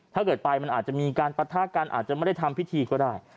ถ้าเกิดไปมันอาจจะมีการปะทะกันอาจจะไม่ได้ทำพิธีก็ได้